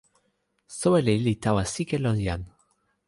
soweli li tawa sike lon jan.